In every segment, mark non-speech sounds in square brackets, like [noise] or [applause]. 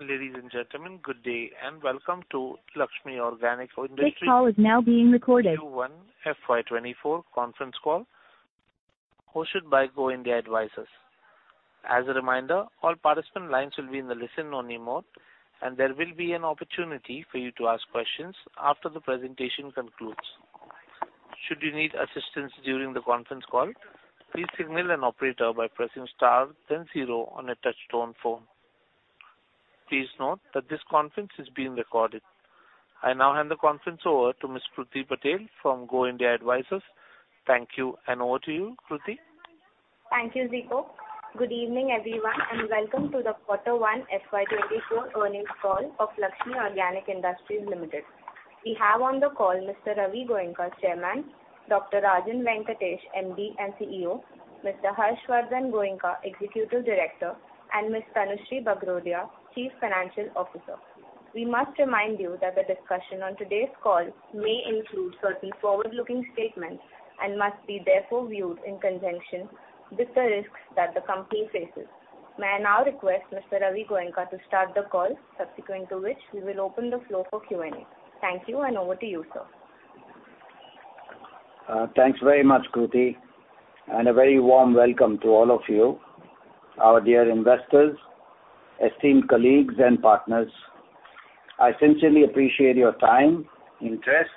Ladies and gentlemen, good day, and welcome to Laxmi Organic Industries. This call is now being recorded. Q1 FY 2024 Conference Call, hosted by GoIndia Advisors. As a reminder, all participant lines will be in the listen-only mode, and there will be an opportunity for you to ask questions after the presentation concludes. Should you need assistance during the conference call, please signal an operator by pressing star then zero on a touchtone phone. Please note that this conference is being recorded. I now hand the conference over to Ms. Kruti Patel from GoIndia Advisors. Thank you, and over to you, Kruti. Thank you, Zippo. Good evening, everyone, and welcome to the Q1 FY 2024 Earnings Call of Laxmi Organic Industries Limited. We have on the call Mr. Ravi Goenka, Chairman, Dr. Rajan Venkatesh, MD and CEO, Mr. Harshvardhan Goenka, Executive Director, and Ms. Tanushree Bagrodia, Chief Financial Officer. We must remind you that the discussion on today's call may include certain forward-looking statements and must be therefore viewed in conjunction with the risks that the company faces. May I now request Mr. Ravi Goenka to start the call, subsequent to which we will open the floor for Q&A. Thank you, and over to you, sir. Thanks very much, Kruti, a very warm welcome to all of you, our dear investors, esteemed colleagues, and partners. I sincerely appreciate your time, interest,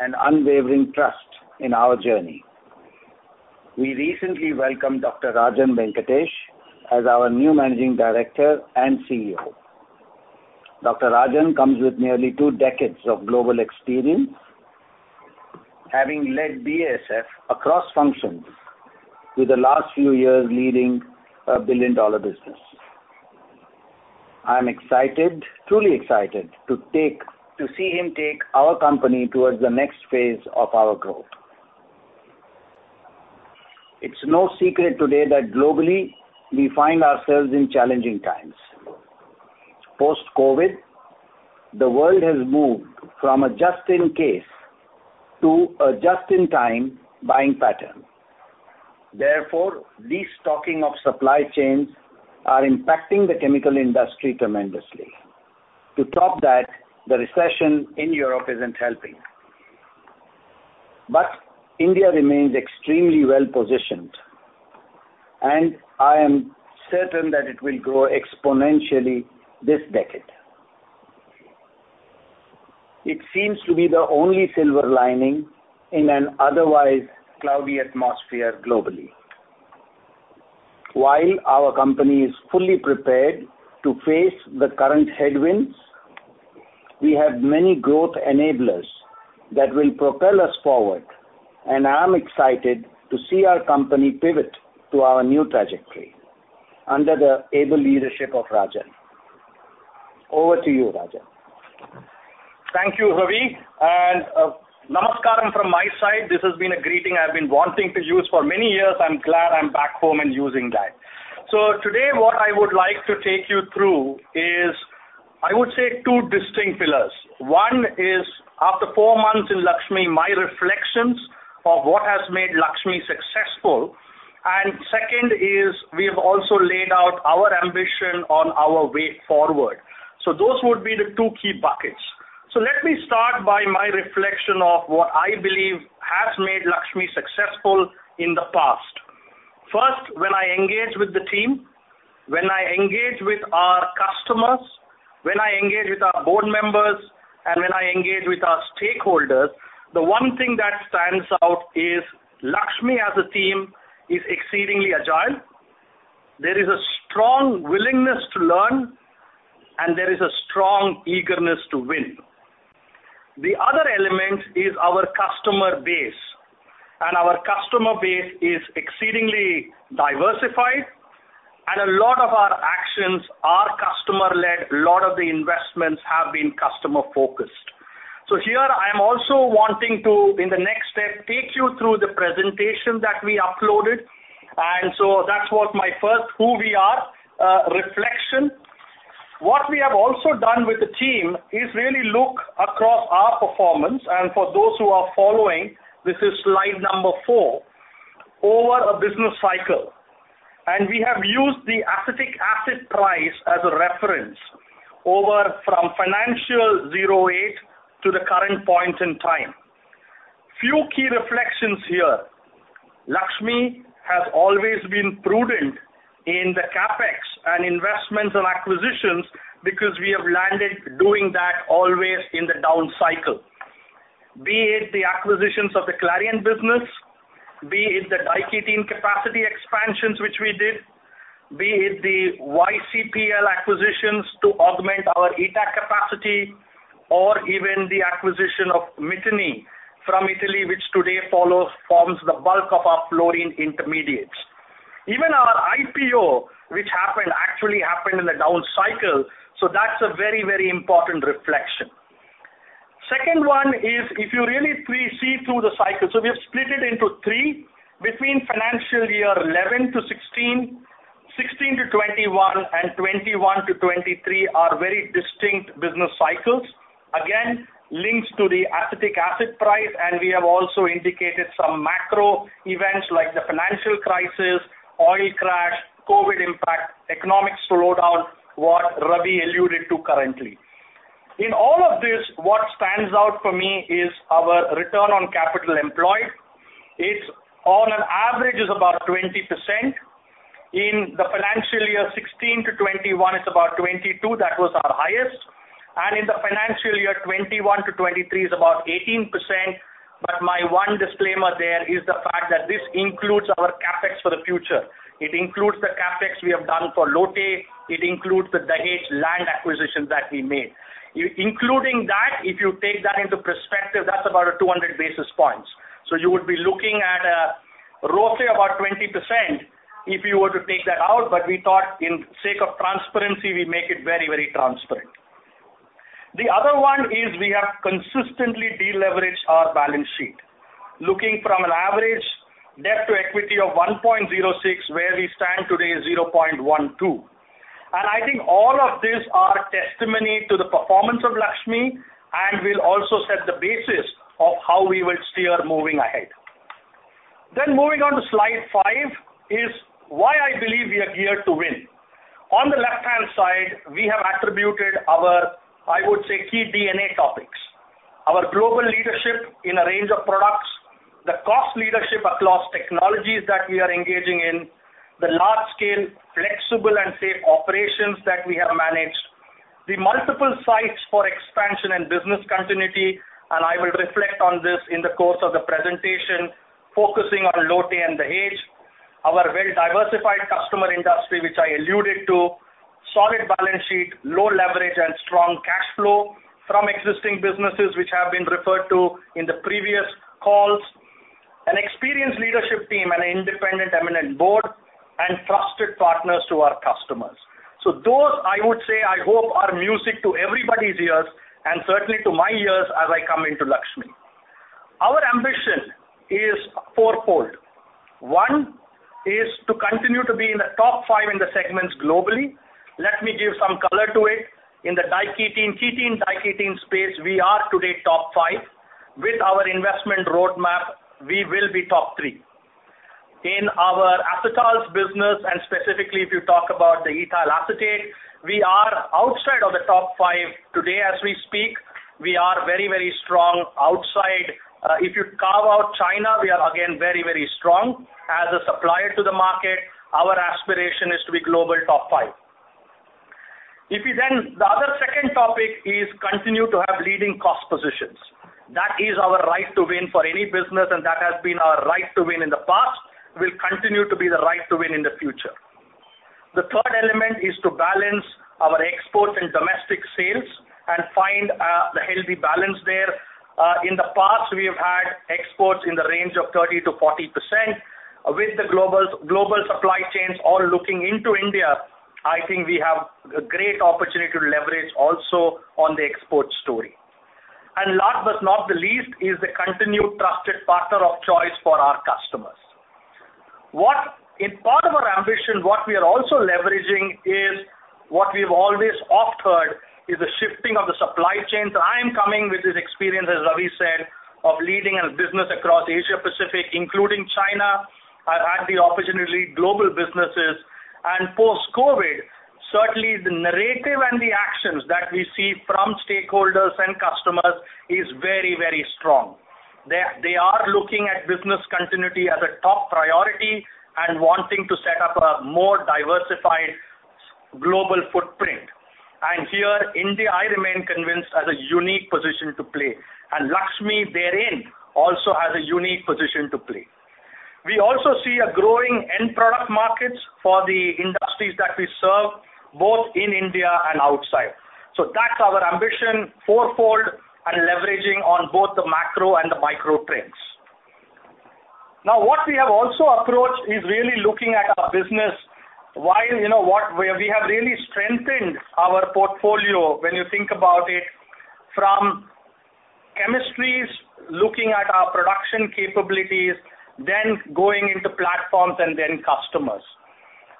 and unwavering trust in our journey. We recently welcomed Dr. Rajan Venkatesh as our new Managing Director and CEO. Dr. Rajan comes with nearly 2 decades of global experience, having led BASF across functions with the last few years leading a billion-dollar business. I am excited, truly excited, to see him take our company towards the next phase of our growth. It's no secret today that globally we find ourselves in challenging times. Post-COVID, the world has moved from a just-in-case to a just-in-time buying pattern. Restocking of supply chains are impacting the chemical industry tremendously. To top that, the recession in Europe isn't helping. India remains extremely well-positioned, and I am certain that it will grow exponentially this decade. It seems to be the only silver lining in an otherwise cloudy atmosphere globally. While our company is fully prepared to face the current headwinds, we have many growth enablers that will propel us forward, and I am excited to see our company pivot to our new trajectory under the able leadership of Rajan. Over to you, Rajan. Thank you, Ravi, and Namaskaram from my side. This has been a greeting I've been wanting to use for many years. I'm glad I'm back home and using that. Today, what I would like to take you through is, I would say, two distinct pillars. One is, after four months in Laxmi, my reflections of what has made Laxmi successful, and second is we have also laid out our ambition on our way forward. Those would be the two key buckets. Let me start by my reflection of what I believe has made Laxmi successful in the past. First, when I engage with the team, when I engage with our customers, when I engage with our board members, and when I engage with our stakeholders, the one thing that stands out is Laxmi as a team is exceedingly agile. There is a strong willingness to learn, and there is a strong eagerness to win. The other element is our customer base, and our customer base is exceedingly diversified, and a lot of our actions are customer-led. A lot of the investments have been customer-focused. Here I am also wanting to, in the next step, take you through the presentation that we uploaded, and so that was my first who we are reflection. What we have also done with the team is really look across our performance, and for those who are following, this is slide number four, over a business cycle. We have used the acetic acid price as a reference over from financial 2008 to the current point in time. Few key reflections here. Laxmi has always been prudent in the CapEx and investments and acquisitions because we have landed doing that always in the down cycle. Be it the acquisitions of the Clariant business, be it the diketene capacity expansions, which we did, be it the YCPL acquisitions to augment our ETAC capacity or even the acquisition of Miteni from Italy, which today forms the bulk of our fluorine intermediates. Even our IPO, which happened, actually happened in the down cycle, so that's a very, very important reflection. Second one is if you really pre-see through the cycle. We have split it into three, between financial year 2011-2016, 2016-2021, and 2021-2023 are very distinct business cycles. Links to the acetic acid price, we have also indicated some macro events like the financial crisis, oil crash, COVID impact, economic slowdown, what Ravi alluded to currently. In all of this, what stands out for me is our return on capital employed. It's on an average, is about 20%. In the financial year 2016-2021, it's about 22%, that was our highest. In the financial year 2021-2023 is about 18%, my one disclaimer there is the fact that this includes our CapEx for the future. It includes the CapEx we have done for Lote, it includes the Dahej land acquisition that we made. Including that, if you take that into perspective, that's about a 200 basis points. You would be looking at, roughly about 20% if you were to take that out, but we thought in sake of transparency, we make it very, very transparent. The other one is we have consistently deleveraged our balance sheet. Looking from an average debt to equity of 1.06, where we stand today is 0.12. I think all of these are a testimony to the performance of Laxmi, and will also set the basis of how we will steer moving ahead. Moving on to slide five, is why I believe we are geared to win. On the left-hand side, we have attributed our, I would say, key DNA topics. Our global leadership in a range of products, the cost leadership across technologies that we are engaging in, the large scale, flexible, and safe operations that we have managed, the multiple sites for expansion and business continuity. I will reflect on this in the course of the presentation, focusing on Lote and Dahej. Our well-diversified customer industry, which I alluded to, solid balance sheet, low leverage, and strong cash flow from existing businesses, which have been referred to in the previous calls. An experienced leadership team and an independent, eminent board, and trusted partners to our customers. Those, I would say, I hope, are music to everybody's ears, and certainly to my ears as I come into Laxmi. Our ambition is four-fold. One, is to continue to be in the top five in the segments globally. Let me give some color to it. In the diketene, ketene, diketene space, we are today top five. With our investment roadmap, we will be top three. In our Acetals business, specifically, if you talk about the Ethyl Acetate, we are outside of the top five today as we speak. We are very, very strong outside. If you carve out China, we are again, very, very strong. As a supplier to the market, our aspiration is to be global top five. The other second topic is continue to have leading cost positions. That is our right to win for any business, and that has been our right to win in the past, will continue to be the right to win in the future. The third element is to balance our export and domestic sales and find the healthy balance there. In the past, we have had exports in the range of 30%-40%. With the global, global supply chains all looking into India, I think we have a great opportunity to leverage also on the export story. Last but not the least, is the continued trusted partner of choice for our customers. In part of our ambition, what we are also leveraging is what we've always offered, is the shifting of the supply chain. I am coming with this experience, as Ravi said, of leading a business across Asia Pacific, including China. I, I had the opportunity to lead global businesses. Post-COVID, certainly the narrative and the actions that we see from stakeholders and customers is very, very strong. They, they are looking at business continuity as a top priority and wanting to set up a more diversified global footprint. Here, India, I remain convinced, has a unique position to play, and Laxmi therein, also has a unique position to play. We also see a growing end product markets for the industries that we serve, both in India and outside. That's our ambition, fourfold, and leveraging on both the macro and the micro trends. What we have also approached is really looking at our business, while, you know, we have really strengthened our portfolio when you think about it, from chemistries, looking at our production capabilities, then going into platforms and then customers.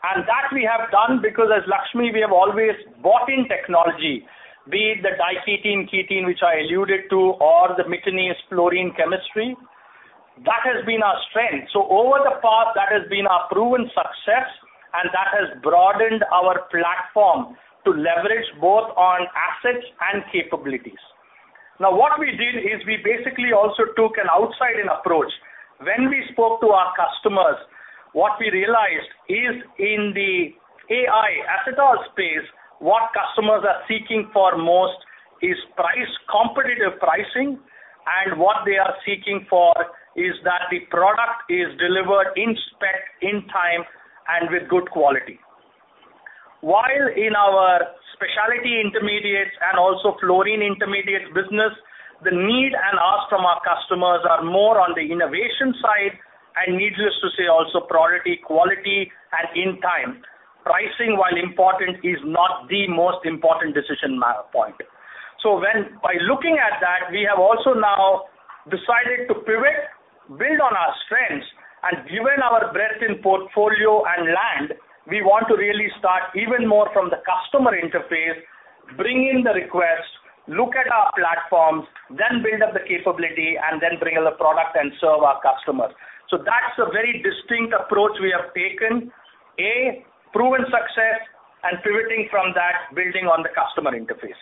That we have done because as Laxmi, we have always bought in technology, be it the diketene, ketene, which I alluded to, or the Miteni fluorine chemistry, that has been our strength. Over the path, that has been our proven success, and that has broadened our platform to leverage both on assets and capabilities. What we did is we basically also took an outside-in approach. When we spoke to our customers, what we realized is in the AI acetal space, what customers are seeking for most is price, competitive pricing, and what they are seeking for is that the product is delivered in spec, in time, and with good quality. While in our Specialty Intermediates and also fluorine intermediates business, the need and ask from our customers are more on the innovation side, and needless to say, also priority, quality, and in time. Pricing, while important, is not the most important decision point. By looking at that, we have also now decided to pivot... Given our breadth in portfolio and land, we want to really start even more from the customer interface, bring in the requests, look at our platforms, then build up the capability, and then bring in the product and serve our customers. That's a very distinct approach we have taken. A, proven success, and pivoting from that, building on the customer interface.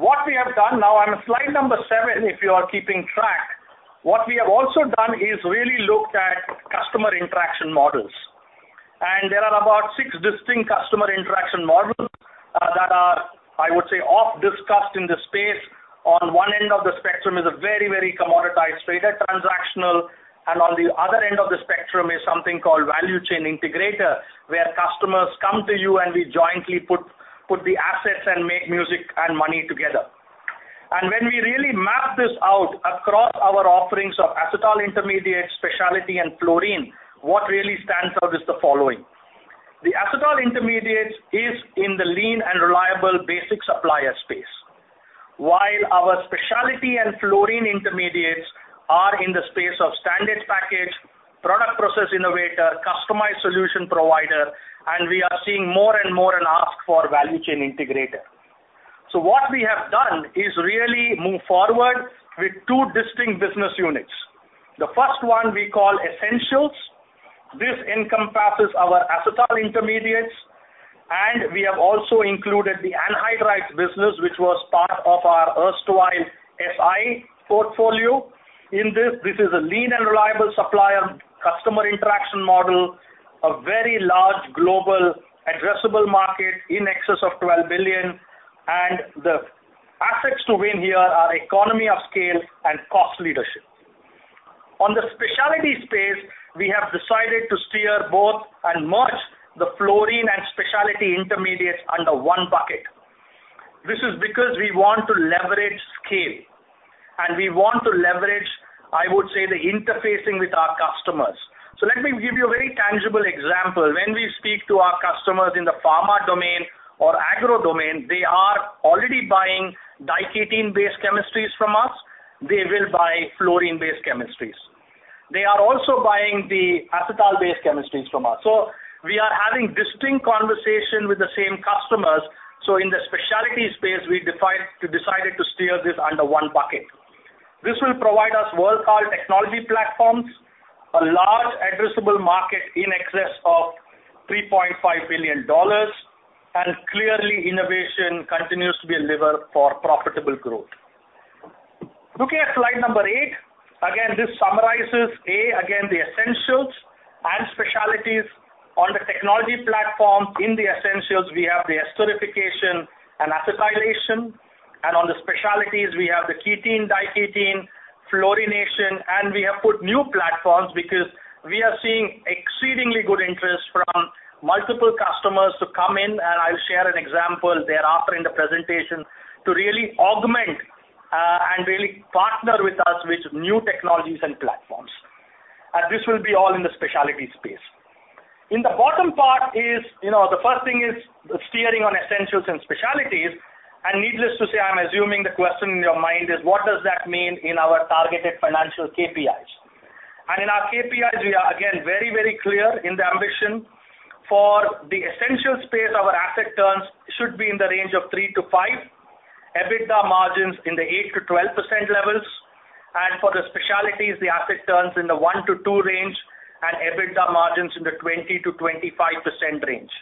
What we have done now, on slide number seven, if you are keeping track, what we have also done is really looked at customer interaction models. There are about six distinct customer interaction models, that are, I would say, oft-discussed in the space. On one end of the spectrum is a very, very commoditized, straight-up transactional, and on the other end of the spectrum is something called value chain integrator, where customers come to you and we jointly put, put the assets and make music and money together. When we really map this out across our offerings of acetal intermediates, specialty, and fluorine, what really stands out is the following: The acetal intermediates is in the lean and reliable basic supplier space, while our specialty and fluorine intermediates are in the space of standard package, product process innovator, customized solution provider, and we are seeing more and more an ask for value chain integrator. What we have done is really move forward with two distinct business units. The first one we call essentials. This encompasses our acetal intermediates, and we have also included the anhydride business, which was part of our erstwhile SI portfolio. In this, this is a lean and reliable supplier, customer interaction model, a very large global addressable market in excess of 12 billion, and the assets to win here are economy of scale and cost leadership. On the specialty space, we have decided to steer both and merge the fluorine and Specialty Intermediates under one bucket. This is because we want to leverage scale, and we want to leverage, I would say, the interfacing with our customers. Let me give you a very tangible example. When we speak to our customers in the Pharma Domain or Agro Domain, they are already buying diketene-based chemistries from us. They will buy fluorine-based chemistries. They are also buying the acetal-based chemistries from us. We are having distinct conversation with the same customers, in the specialty space, we decided to steer this under one bucket. This will provide us world-class technology platforms, a large addressable market in excess of $3.5 billion, clearly, innovation continues to be a lever for profitable growth. Looking at slide 8, this summarizes the essentials and specialties. On the technology platform in the essentials, we have the esterification and acetylation, on the specialties we have the ketene, diketene, fluorination, we have put new platforms because we are seeing exceedingly good interest from multiple customers to come in, I'll share an example thereafter in the presentation, to really augment and really partner with us with new technologies and platforms. This will be all in the specialty space. In the bottom part is, you know, the first thing is steering on essentials and specialties. Needless to say, I'm assuming the question in your mind is: What does that mean in our targeted financial KPIs? In our KPIs, we are again, very, very clear in the ambition. For the essential space, our asset turns should be in the range of 3-5, EBITDA margins in the 8%-12% levels, and for the specialties, the asset turns in the 1-2 range and EBITDA margins in the 20%-25% range.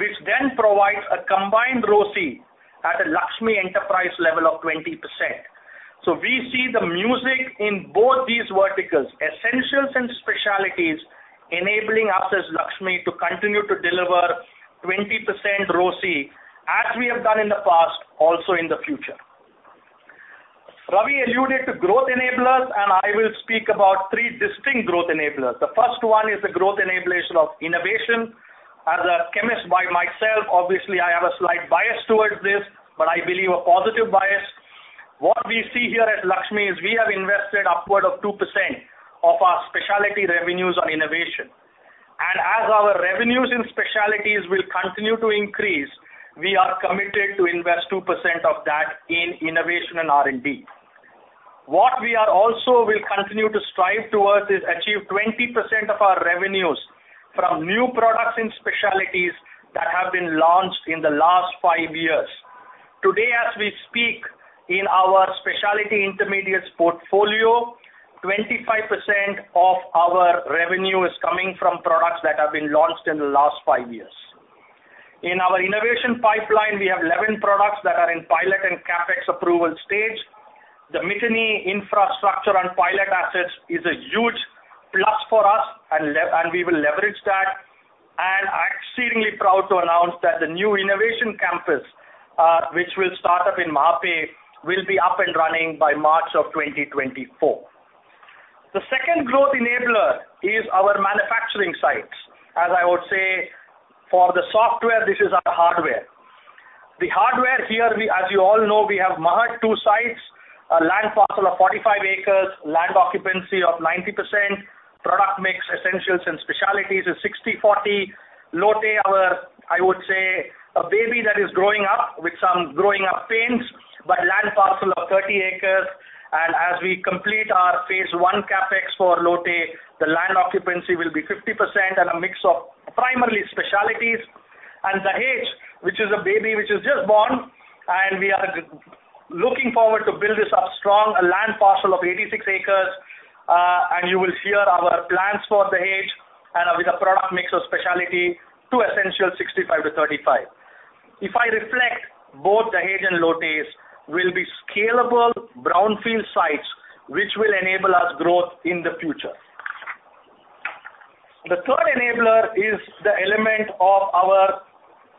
Which then provides a combined ROCE at a Laxmi Enterprise level of 20%. We see the music in both these verticals, essentials and specialties, enabling us as Laxmi to continue to deliver 20% ROCE, as we have done in the past, also in the future. Ravi alluded to growth enablers. I will speak about three distinct growth enablers. The first one is the growth enablement of innovation. As a chemist by myself, obviously I have a slight bias towards this. I believe a positive bias. What we see here at Laxmi is we have invested upward of 2% of our specialty revenues on innovation. As our revenues in specialties will continue to increase, we are committed to invest 2% of that in innovation and R&D. What we are also will continue to strive towards is achieve 20% of our revenues from new products in specialties that have been launched in the last five years. Today, as we speak, in our Specialty Intermediates portfolio, 25% of our revenue is coming from products that have been launched in the last five years. In our innovation pipeline, we have 11 products that are in pilot and CapEx approval stage. The Miteni infrastructure and pilot assets is a huge plus for us and we will leverage that. I'm exceedingly proud to announce that the new innovation campus, which will start up in Mahape, will be up and running by March of 2024. The second growth enabler is our manufacturing sites. As I would say, for the software, this is our hardware. The hardware here, we, as you all know, we have Mahad two sites, a land parcel of 45 acres, land occupancy of 90%. Product mix essentials and specialties is 60/40. Lote, our, I would say, a baby that is growing up with some growing up pains, but land parcel of 30 acres. As we complete our phase I CapEx for Lote, the land occupancy will be 50% and a mix of primarily specialties. Dahej, which is a baby, which is just born, and we are looking forward to build this up strong, a land parcel of 86 acres. You will hear our plans for Dahej and with a product mix of specialty to essential, 65-35. If I reflect, both Dahej and Lote will be scalable brownfield sites, which will enable us growth in the future. The third enabler is the element of our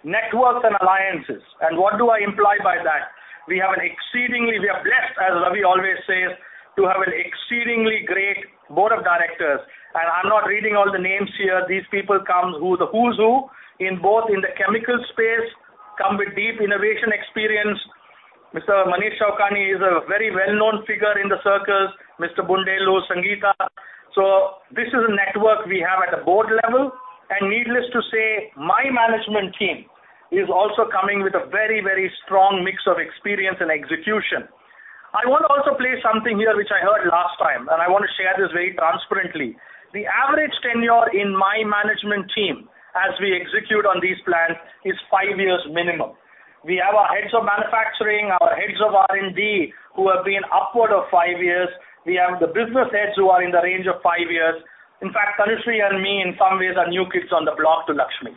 networks and alliances. What do I imply by that? We have an exceedingly we are blessed, as Ravi always says, to have an exceedingly great board of directors, and I'm not reading all the names here. These people come who the who's who, in both in the chemical space, come with deep innovation experience. Mr. Manish Chokhani is a very well-known figure in the circles, Mr. Bundelu, Sangeeta. This is a network we have at a board level. Needless to say, my management team is also coming with a very, very strong mix of experience and execution. I want to also play something here, which I heard last time, and I want to share this very transparently. The average tenure in my management team, as we execute on these plans, is five years minimum. We have our heads of manufacturing, our heads of R&D, who have been upward of five years. We have the business heads who are in the range of five years. In fact, Tanushree and me, in some ways, are new kids on the block to Laxmi.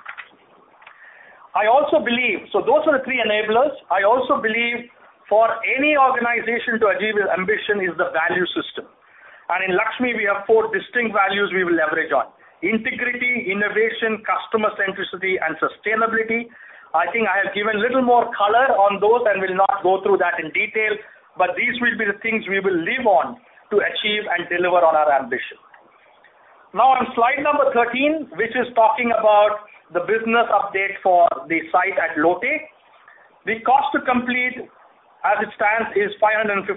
I also believe... Those are the three enablers. I also believe for any organization to achieve its ambition is the value system. In Laxmi, we have four distinct values we will leverage on: integrity, innovation, customer centricity, and sustainability. I think I have given little more color on those and will not go through that in detail, but these will be the things we will live on to achieve and deliver on our ambition. On slide number 13, which is talking about the business update for the site at Lote. The cost to complete, as it stands, is 550,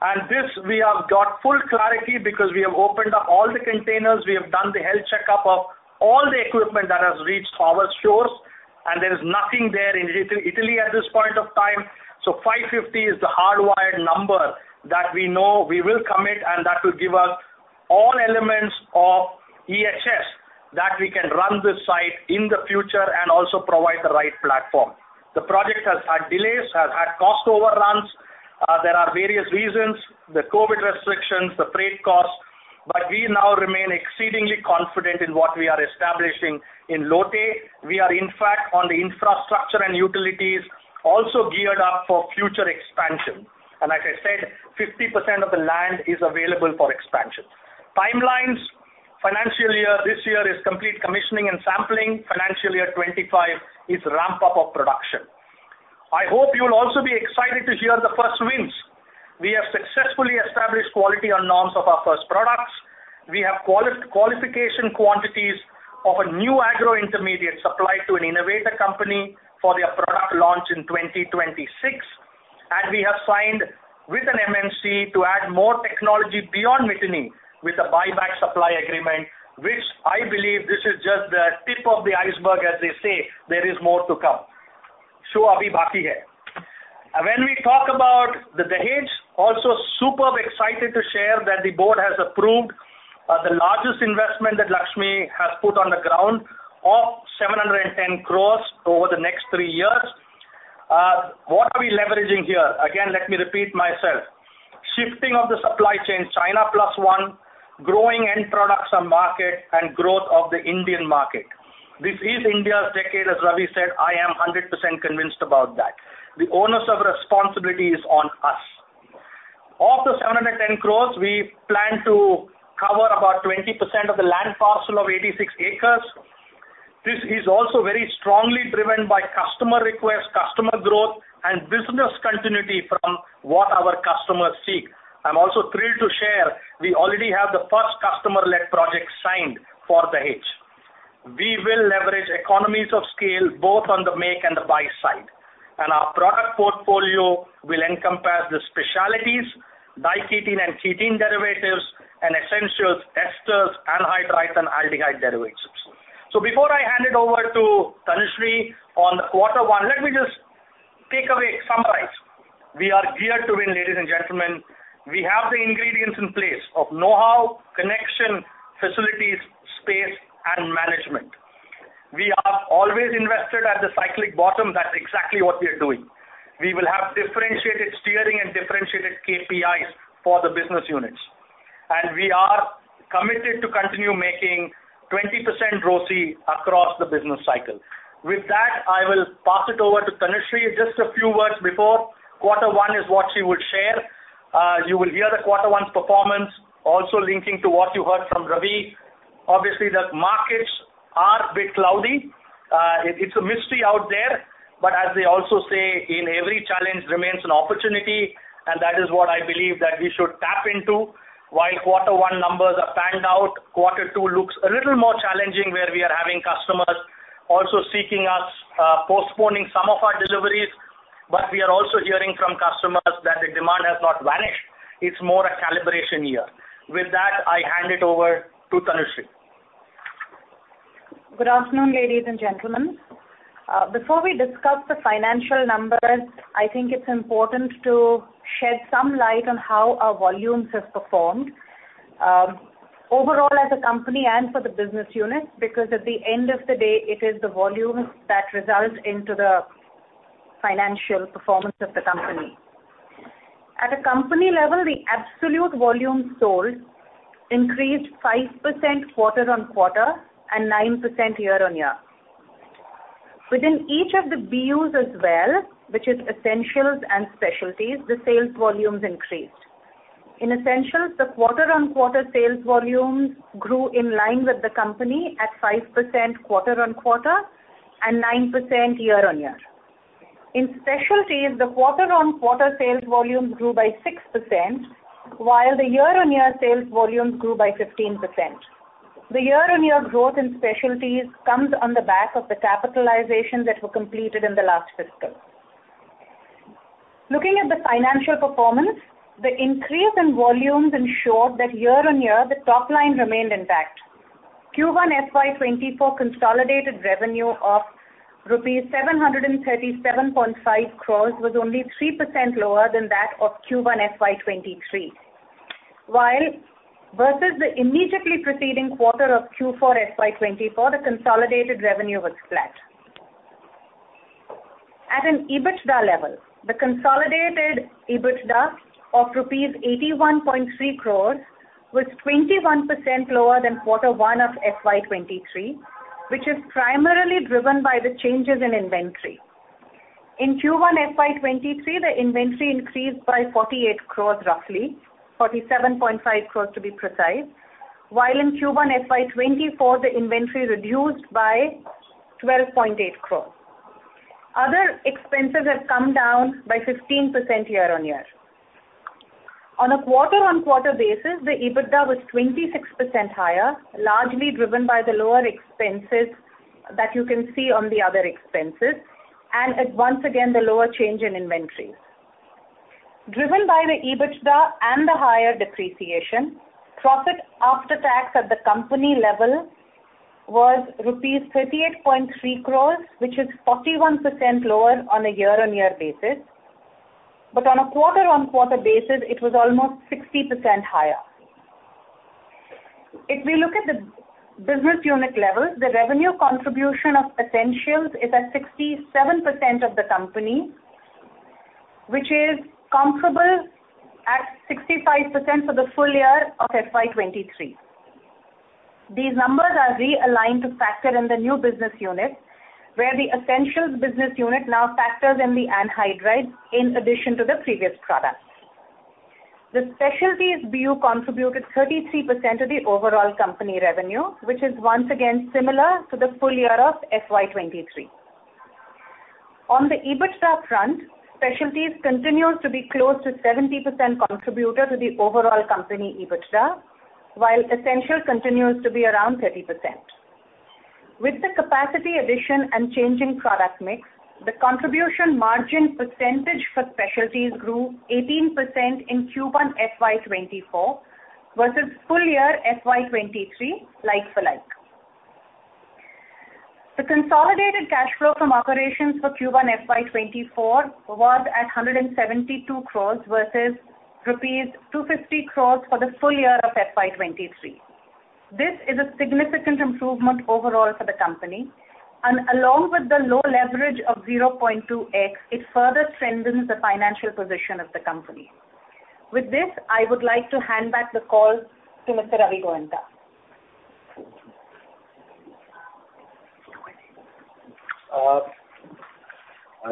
and this we have got full clarity because we have opened up all the containers, we have done the health checkup of all the equipment that has reached our stores, and there is nothing there in Italy, Italy at this point of time. 550 is the hardwired number that we know we will commit, and that will give us all elements of EHS, that we can run this site in the future and also provide the right platform. The project has had delays, has had cost overruns. There are various reasons, the COVID restrictions, the freight costs, but we now remain exceedingly confident in what we are establishing in Lote. We are, in fact, on the infrastructure and utilities, also geared up for future expansion. Like I said, 50% of the land is available for expansion. Timelines, financial year, this year is complete commissioning and sampling. Financial year 2025 is ramp-up of production. I hope you will also be excited to hear the first wins. We have successfully established quality on norms of our first products. We have qualification quantities of a new agro intermediate supplied to an innovator company for their product launch in 2026. We have signed with an MNC to add more technology beyond diketene with a buyback supply agreement, which I believe this is just the tip of the iceberg, as they say, there is more to come. When we talk about the Dahej, also super excited to share that the board has approved the largest investment that Laxmi has put on the ground of 710 over the next three years. What are we leveraging here? Again, let me repeat myself. Shifting of the supply chain, China plus one, growing end products on market and growth of the Indian market. This is India's decade, as Ravi said, I am 100% convinced about that. The onus of responsibility is on us. Of the 710, we plan to cover about 20% of the land parcel of 86 acres. This is also very strongly driven by customer requests, customer growth, and business continuity from what our customers seek. I'm also thrilled to share we already have the first customer-led project signed for Dahej. We will leverage economies of scale, both on the make and the buy side, and our product portfolio will encompass the specialties, diketene and ketene derivatives, and essentials, esters, anhydrides, and aldehyde derivatives. Before I hand it over to Tanushree on Q1, let me just take away, summarize. We are geared to win, ladies and gentlemen. We have the ingredients in place of know-how, connection, facilities, space, and management. We are always invested at the cyclic bottom. That's exactly what we are doing. We will have differentiated steering and differentiated KPIs for the business units, and we are committed to continue making 20% ROCE across the business cycle. With that, I will pass it over to Tanushree. Just a few words before, Q1 is what she would share. You will hear the quarter one's performance, also linking to what you heard from Ravi. Obviously, the markets are a bit cloudy. It's a mystery out there, but as they also say, in every challenge remains an opportunity, and that is what I believe that we should tap into. While Q1 numbers are panned out, Q2 looks a little more challenging, where we are having customers also seeking us, postponing some of our deliveries, but we are also hearing from customers that the demand has not vanished. It's more a calibration year. With that, I hand it over to Tanushree. Good afternoon, ladies and gentlemen. Before we discuss the financial numbers, I think it's important to shed some light on how our volumes have performed, overall as a company and for the business unit, because at the end of the day, it is the volumes that result into the financial performance of the company. At a company level, the absolute volume sold increased 5% quarter-on-quarter and 9% year-on-year. Within each of the BUs as well, which is essentials and specialties, the sales volumes increased. In essentials, the quarter-on-quarter sales volumes grew in line with the company at 5% quarter-on-quarter and 9% year-on-year. In specialties, the quarter-on-quarter sales volumes grew by 6%, while the year-on-year sales volumes grew by 15%. The year-on-year growth in specialties comes on the back of the capitalizations that were completed in the last fiscal. Looking at the financial performance, the increase in volumes ensured that year-on-year, the top line remained intact. Q1 FY 2024 consolidated revenue of rupees 737.5 was only 3% lower than that of Q1 FY 2023. Versus the immediately preceding quarter of Q4 FY 2024, the consolidated revenue was flat. At an EBITDA level, the consolidated EBITDA of rupees 81.3 was 21% lower than Q1 of FY 2023, which is primarily driven by the changes in inventory. In Q1 FY 2023, the inventory increased by 48, roughly, 47.5, to be precise. In Q1 FY 2024, the inventory reduced by 12.8. Other expenses have come down by 15% year-on-year. On a quarter-on-quarter basis, the EBITDA was 26% higher, largely driven by the lower expenses that you can see on the other expenses, and once again, the lower change in inventories. Driven by the EBITDA and the higher depreciation, profit after tax at the company level was rupees 38.3, which is 41% lower on a year-on-year basis. On a quarter-on-quarter basis, it was almost 60% higher. If we look at the business unit level, the revenue contribution of essentials is at 67% of the company, which is comparable at 65% for the full year of FY 2023. These numbers are realigned to factor in the new business unit, where the essentials business unit now factors in the anhydride in addition to the previous products. The specialties BU contributed 33% of the overall company revenue, which is once again similar to the full year of FY 2023. On the EBITDA front, specialties continues to be close to 70% contributor to the overall company EBITDA, while essential continues to be around 30%. With the capacity addition and changing product mix, the contribution margin percentage for specialties grew 18% in Q1 FY 2024 versus full year FY 2023, like for like. The consolidated cash flow from operations for Q1 FY 2024 was at 172 versus rupees 250 for the full year of FY 2023. This is a significant improvement overall for the company, and along with the low leverage of 0.2x, it further strengthens the financial position of the company. With this, I would like to hand back the call to Mr. Ravi Goenka.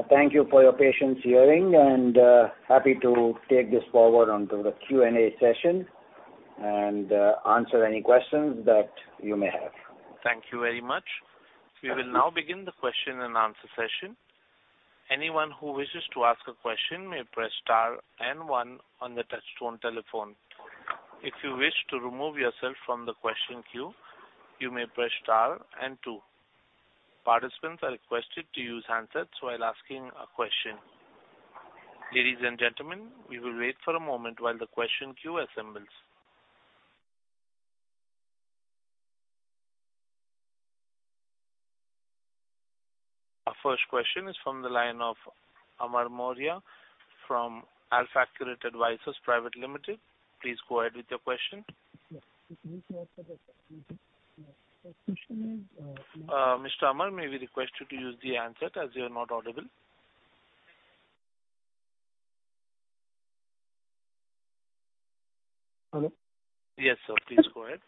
Thank you for your patience hearing, and happy to take this forward onto the Q&A session and answer any questions that you may have. Thank you very much. We will now begin the question and answer session. Anyone who wishes to ask a question may press star one on the touchtone telephone. If you wish to remove yourself from the question queue, you may press star two. Participants are requested to use handsets while asking a question. Ladies and gentlemen, we will wait for a moment while the question queue assembles. Our first question is from the line of Amar Maurya from Alfaccurate Advisors Private Limited. Please go ahead with your question. [inaudible] Mr. Amar, may we request you to use the handset as you are not audible? Hello. Yes, sir. Please go ahead.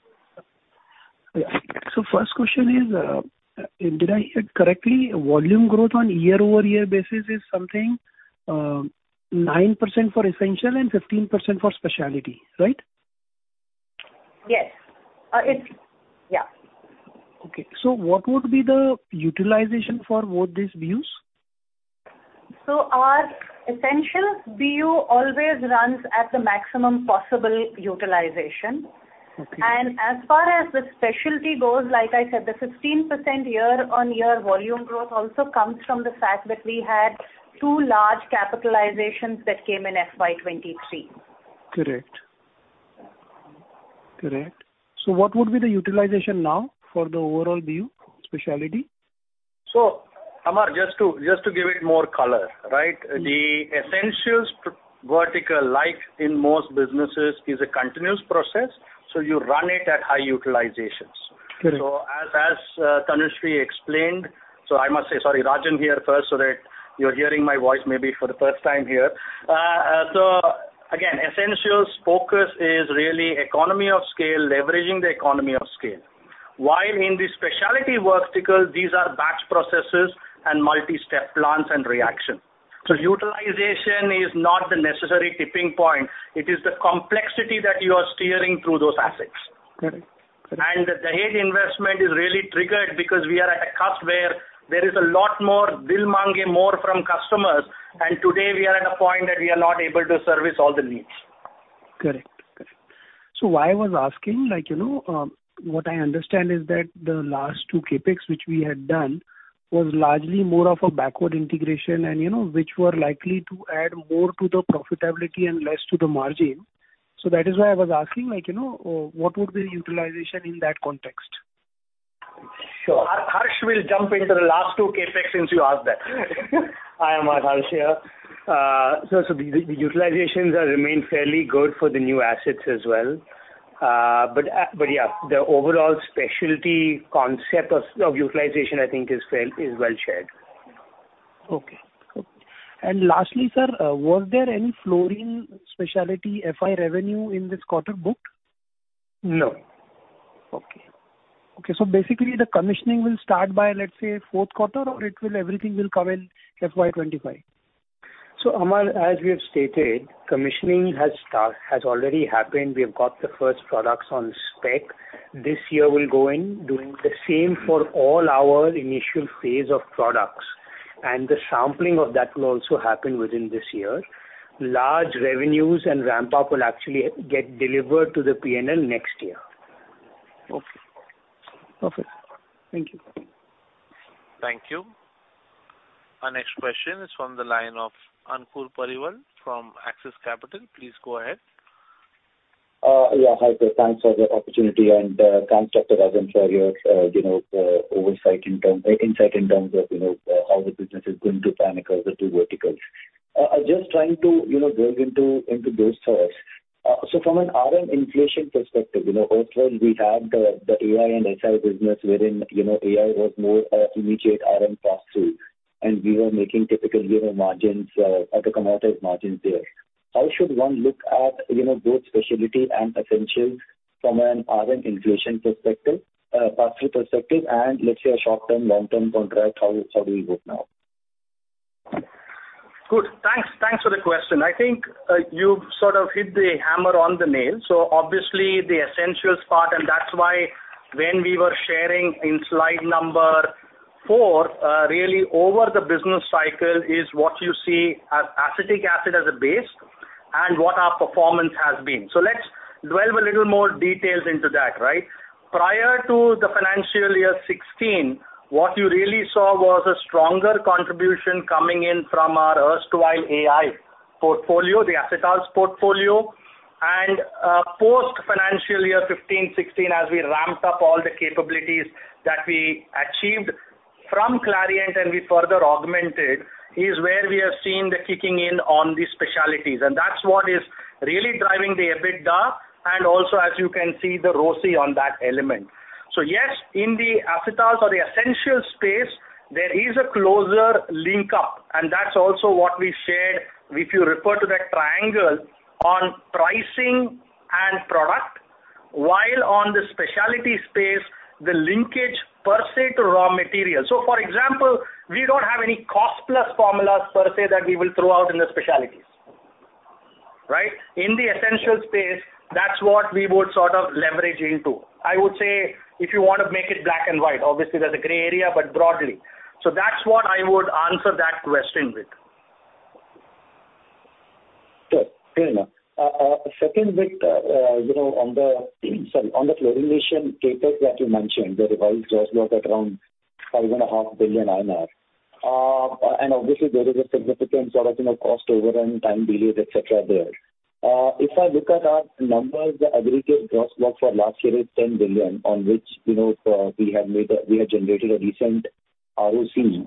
First question is, did I hear correctly, volume growth on year-over-year basis is something, 9% for essential and 15% for specialty, right? Yes. It's... Yeah. Okay. What would be the utilization for both these BUs? Our essential BU always runs at the maximum possible utilization. ...As far as the specialty goes, like I said, the 15% year-on-year volume growth also comes from the fact that we had two large capitalizations that came in FY 2023. Correct. Correct. What would be the utilization now for the overall BU, specialty? Amar, just to give it more color, right? The essentials vertical, like in most businesses, is a continuous process, so you run it at high utilizations. Correct. As, as Tanushree explained, so I must say, sorry, Rajan here first, so that you're hearing my voice maybe for the first time here. Again, essentials focus is really economy of scale, leveraging the economy of scale. While in the specialty vertical, these are batch processes and multi-step plants and reaction. Utilization is not the necessary tipping point, it is the complexity that you are steering through those assets. Correct. The ahead investment is really triggered because we are at a cusp where there is a lot more dil mange more from customers, and today we are at a point that we are not able to service all the needs. Correct. Correct. Why I was asking, like, you know, what I understand is that the last two CapEx, which we had done, was largely more of a backward integration and, you know, which were likely to add more to the profitability and less to the margin. That is why I was asking, like, you know, what would be the utilization in that context? Sure. Harsh will jump into the last 2 CapEx, since you asked that. Hi, Amar, Harsh here. The utilizations have remained fairly good for the new assets as well. The overall specialty concept of utilization, I think, is well, is well shared. Okay. Okay. Lastly, sir, was there any fluorine specialty FY revenue in this quarter booked? No. Okay. Okay, basically, the commissioning will start by, let's say, Q4, or it will everything will come in FY 2025? Amar, as we have stated, commissioning has already happened. We have got the first products on spec. This year, we'll go in, doing the same for all our initial phase of products, and the sampling of that will also happen within this year. Large revenues and ramp-up will actually get delivered to the P&L next year. Okay. Okay. Thank you. Thank you. Our next question is from the line of Ankur Periwal from Axis Capital. Please go ahead. Yeah, hi, sir, thanks for the opportunity, and thanks, Dr. Rajan, for your, you know, insight in terms of, you know, how the business is going to pan across the two verticals. I'm just trying to, you know, delve into, into those thoughts. From an RM inflation perspective, you know, erstwhile we had the, the AI and SI business wherein, you know, AI was more, immediate RM pass-through, and we were making typical, you know, margins, or commoditized margins there. How should one look at, you know, both specialty and essentials from an RM inflation perspective, pass-through perspective, and let's say, a short-term, long-term contract, how do, how do we look now? Good. Thanks. Thanks for the question. I think, you sort of hit the hammer on the nail, obviously the essentials part, and that's why when we were sharing in slide number four, really over the business cycle is what you see as acetic acid as a base, and what our performance has been. Let's delve a little more details into that, right? Prior to the financial year 2016, what you really saw was a stronger contribution coming in from our erstwhile AI portfolio, the Acetals portfolio. Post-financial year 2015, 2016, as we ramped up all the capabilities that we achieved from Clariant, and we further augmented, is where we have seen the kicking in on the specialties. That's what is really driving the EBITDA, and also, as you can see, the ROCE on that element. Yes, in the acetals or the essential space, there is a closer link up, that's also what we shared, if you refer to that triangle, on pricing and product, while on the specialty space, the linkage per se to raw material. For example, we don't have any cost-plus formulas per se, that we will throw out in the specialties. Right? In the essential space, that's what we would sort of leverage into. I would say, if you want to make it black and white, obviously, there's a gray area, but broadly. That's what I would answer that question with. Sure. Fair enough. Second bit, you know, on the, sorry, on the fluorination CapEx that you mentioned, the revised gross block at around 5.5 billion INR. Obviously, there is a significant sort of, you know, cost overrun, time delay, et cetera, there. If I look at our numbers, the aggregate gross block for last year is 10 billion, on which, you know, we have generated a decent ROC.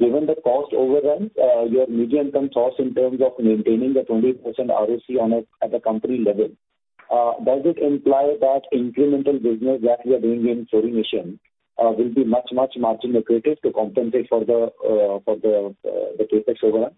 Given the cost overruns, your medium-term source in terms of maintaining the 20% ROC at a company level, does it imply that incremental business that we are doing in fluorination, will be much, much margin accretive to compensate for the CapEx overrun?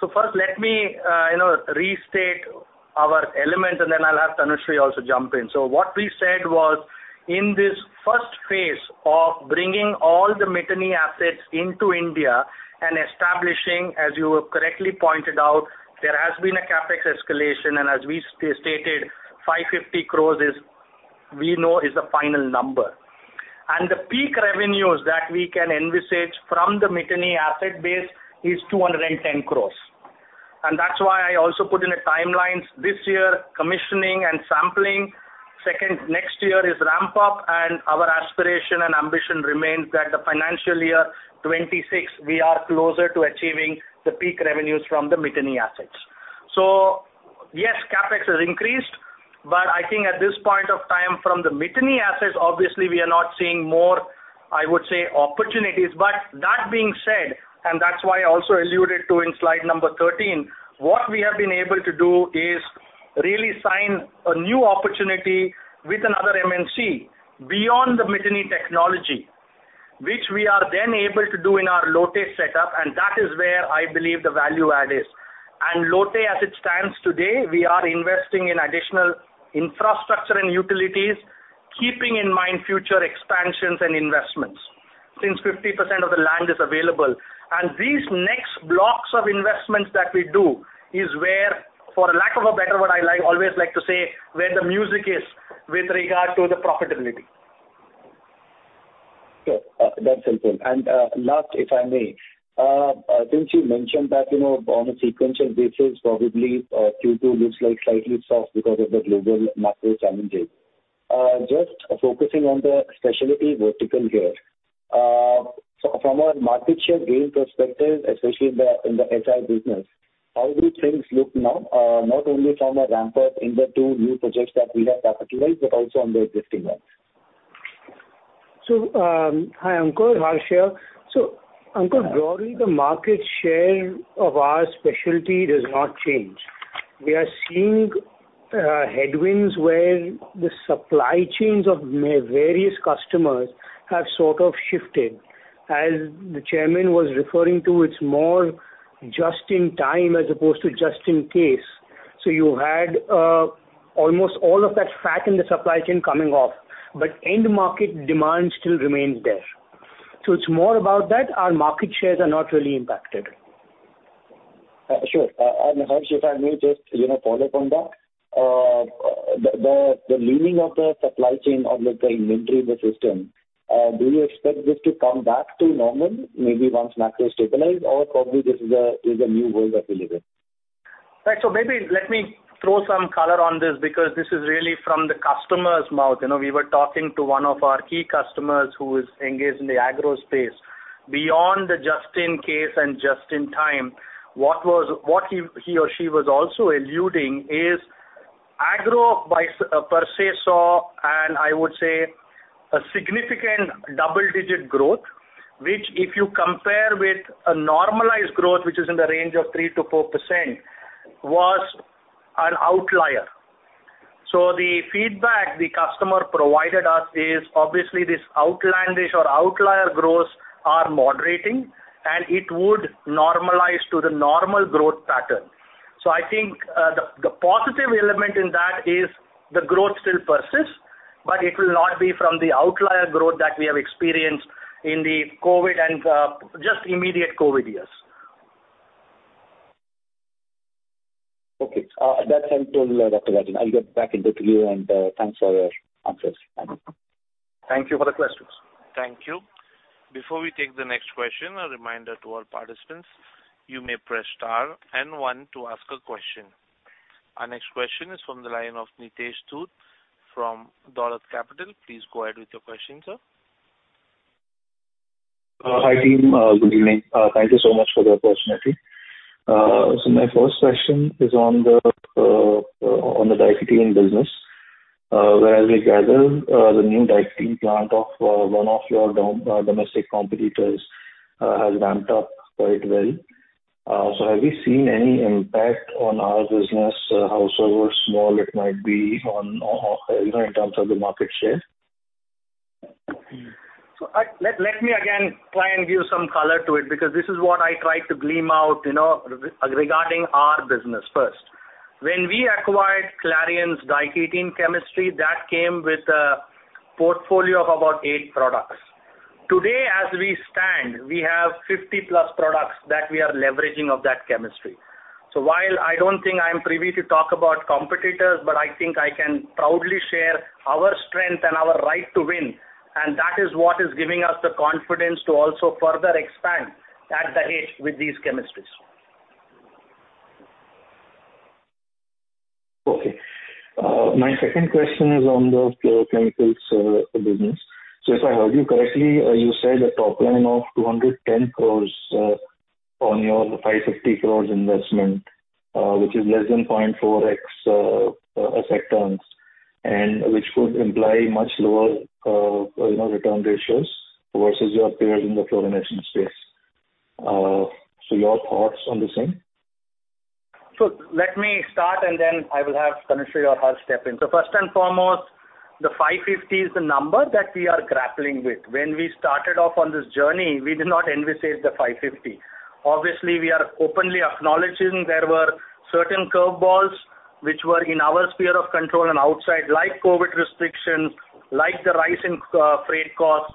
First, let me, you know, restate our elements, and then I'll have Tanushree also jump in. What we said was, in this first phase of bringing all the Miteni assets into India and establishing, as you correctly pointed out, there has been a CapEx escalation, and as we stated, 550 crore is, we know, is the final number. The peak revenues that we can envisage from the Miteni asset base is 210. That's why I also put in a timelines, this year, commissioning and sampling. Second, next year is ramp-up, and our aspiration and ambition remains that the financial year 2026, we are closer to achieving the peak revenues from the Miteni assets. Yes, CapEx has increased, but I think at this point of time, from the Miteni assets, obviously we are not seeing more, I would say, opportunities. That being said, that's why I also alluded to in slide number 13, what we have been able to do is really sign a new opportunity with another MNC beyond the Miteni technology, which we are then able to do in our Lote setup, and that is where I believe the value add is. Lote, as it stands today, we are investing in additional infrastructure and utilities, keeping in mind future expansions and investments, since 50% of the land is available. These next blocks of investments that we do is where, for lack of a better word, I like, always like to say, where the music is with regard to the profitability. Okay, that's important. Last, if I may, since you mentioned that, you know, on a sequential basis, probably, Q2 looks like slightly soft because of the global macro challenges. Just focusing on the specialty vertical here, from a market share gain perspective, especially in the, in the SI business, how do things look now, not only from a ramp-up in the two new projects that we have capitalized, but also on the existing ones? Hi, Ankur, Harsh here. Ankur, broadly, the market share of our specialty does not change. We are seeing headwinds where the supply chains of various customers have sort of shifted. As the chairman was referring to, it's more just-in-time as opposed to just-in-case. You had almost all of that fat in the supply chain coming off, but end market demand still remains there. It's more about that. Our market shares are not really impacted. Sure. Harsh, if I may just, you know, follow up on that. The, the, the leaning of the supply chain or the inventory in the system, do you expect this to come back to normal, maybe once macro stabilize, or probably this is a, is a new world that we live in? Right. Maybe let me throw some color on this, because this is really from the customer's mouth. You know, we were talking to one of our key customers who is engaged in the Agro Space. Beyond the just-in-case and just-in-time, what he or she was also alluding is Agro by, per se, saw, and I would say, a significant double-digit growth, which if you compare with a normalized growth, which is in the range of 3%-4%, was an outlier. The feedback the customer provided us is, obviously this outlandish or outlier growths are moderating, and it would normalize to the normal growth pattern. I think, the positive element in that is the growth still persists, but it will not be from the outlier growth that we have experienced in the COVID and, just immediate COVID years. Okay. That's helpful, Dr. Rajan. I'll get back into you. Thanks for your answers. Thank you for the questions. Thank you. Before we take the next question, a reminder to all participants, you may press star and one to ask a question. Our next question is from the line of Nitesh Dhoot from Dolat Capital. Please go ahead with your question, sir. Hi, team. Good evening. Thank you so much for the opportunity. My first question is on the diketene business, where as we gather, the new diketene plant of one of your domestic competitors has ramped up quite well. Have you seen any impact on our business, however small it might be, on, you know, in terms of the market share? Let me again try and give some color to it, because this is what I tried to gleam out, you know, regarding our business first. When we acquired Clariant's diketene chemistry, that came with a portfolio of about eight products. Today, as we stand, we have 50+ products that we are leveraging of that chemistry. While I don't think I am privy to talk about competitors, but I think I can proudly share our strength and our right to win, and that is what is giving us the confidence to also further expand at the edge with these chemistries. Okay. My second question is on the fluorochemicals business. If I heard you correctly, you said a top line of 210 on your 550 investment, which is less than 0.4x effect terms, and which could imply much lower, you know, return ratios versus your peers in the fluorination space. Your thoughts on the same? Let me start, and then I will have Tanushree or Harsh step in. First and foremost, the 550 is the number that we are grappling with. When we started off on this journey, we did not envisage the 550. Obviously, we are openly acknowledging there were certain curveballs which were in our sphere of control and outside, like COVID restrictions, like the rise in freight costs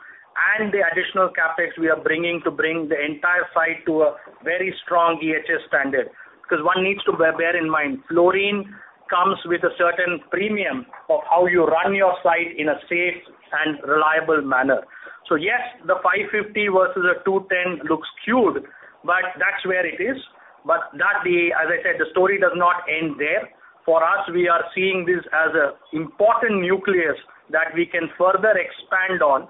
and the additional CapEx we are bringing to bring the entire site to a very strong EHS standard. Because one needs to bear, bear in mind, fluorine comes with a certain premium of how you run your site in a safe and reliable manner. Yes, the 550 versus the 210 looks skewed, but that's where it is. That, as I said, the story does not end there. For us, we are seeing this as a important nucleus that we can further expand on,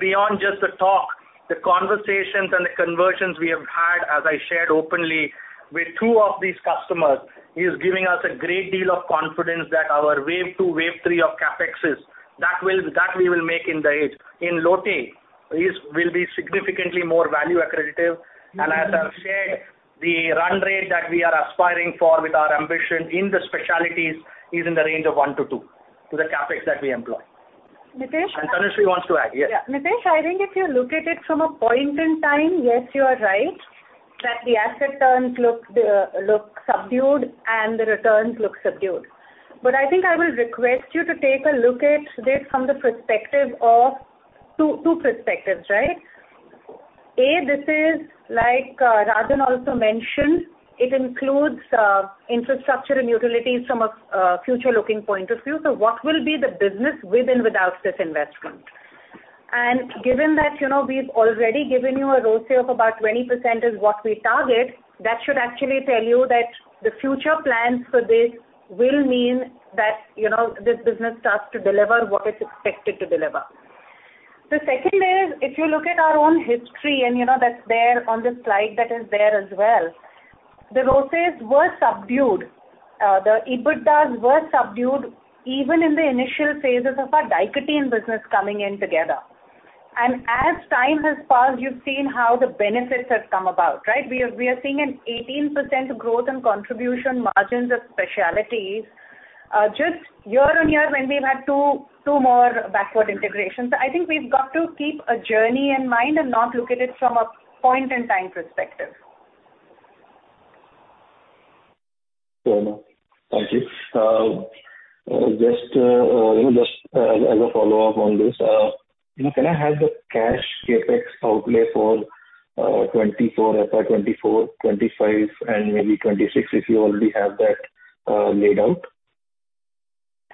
beyond just the talk, the conversations and the conversions we have had, as I shared openly with two of these customers, is giving us a great deal of confidence that our wave two, wave three of CapExes, that we will make in Dahej, in Lote, will be significantly more value accretive. As I've said, the run rate that we are aspiring for with our ambition in the Specialties is in the range of 1-2, to the CapEx that we employ. Nitesh- Tanushree wants to add, yes. Yeah. Nitesh, I think if you look at it from a point in time, yes, you are right, that the asset turns look, look subdued and the returns look subdued. I think I will request you to take a look at this from the perspective of two, two perspectives, right? A, this is like, Rajan also mentioned, it includes infrastructure and utilities from a future looking point of view. What will be the business with and without this investment? Given that, you know, we've already given you a ROCE of about 20% is what we target, that should actually tell you that the future plans for this will mean that, you know, this business starts to deliver what it's expected to deliver. The second is, if you look at our own history, and you know, that's there on the slide that is there as well, the ROCEs were subdued, the EBITDAs were subdued, even in the initial phases of our diketene business coming in together. As time has passed, you've seen how the benefits have come about, right? We are, we are seeing an 18% growth in contribution margins of specialties, just year-on-year when we've had two, two more backward integrations. I think we've got to keep a journey in mind and not look at it from a point in time perspective. Fair enough. Thank you. Just, just, as a follow-up on this, you know, can I have the cash CapEx outlay for 2024, FY 2024, 2025, and maybe 2026, if you already have that, laid out?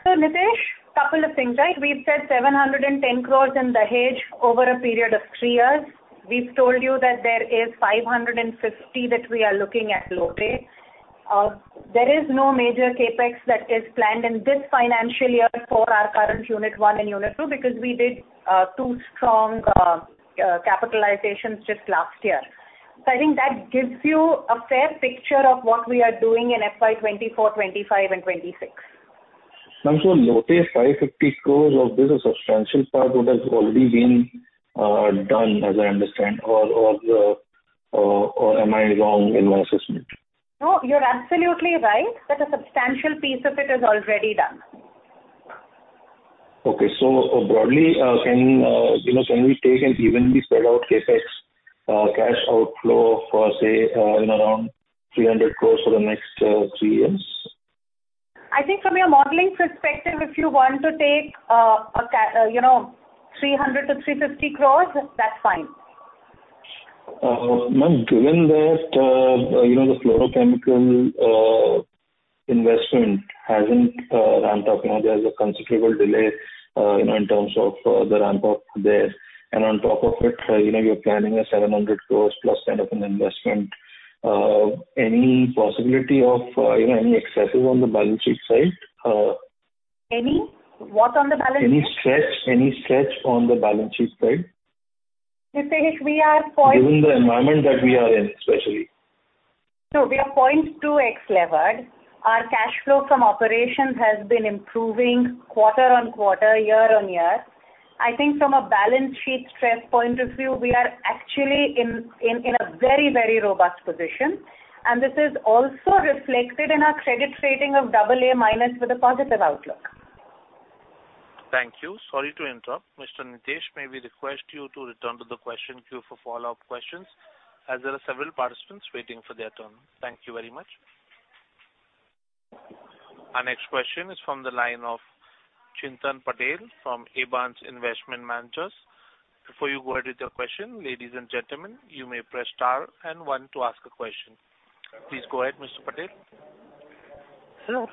Nitesh, couple of things, right? We've said 710 in Dahej over a period of three years. We've told you that there is 550 that we are looking at Lote. There is no major CapEx that is planned in this financial year for our current unit one and unit two, because we did two strong capitalizations just last year. I think that gives you a fair picture of what we are doing in FY 2024, 2025 and 2026. Ma'am, Lote's 550 of this, a substantial part of what has already been done, as I understand, or am I wrong in my assessment? No, you're absolutely right, that a substantial piece of it is already done. Okay. broadly, you know, can we take an evenly spread out CapEx cash outflow for, say, in around 300 for the next three years? I think from a modeling perspective, if you want to take, you know, 300-350, that's fine. Ma'am, given that, you know, the fluorochemical investment hasn't ramped up, you know, there's a considerable delay, you know, in terms of the ramp-up there. On top of it, you know, you're planning an 700+ kind of an investment. Any possibility of, you know, any excesses on the balance sheet side? Any? What on the balance sheet? Any stretch, any stretch on the balance sheet side? Nitesh, we are. Given the environment that we are in, especially. We are 0.2x levered. Our cash flow from operations has been improving quarter-on-quarter, year-on-year. I think from a balance sheet stress point of view, we are actually in, in, in a very, very robust position, and this is also reflected in our credit rating of AA- with a positive outlook. Thank you. Sorry to interrupt. Mr. Nitesh, may we request you to return to the question queue for follow-up questions, as there are several participants waiting for their turn. Thank you very much. Our next question is from the line of Chintan Patel from Abans Investment Managers. Before you go ahead with your question, ladies and gentlemen, you may press star and one to ask a question. Please go ahead, Mr. Patel. Sir,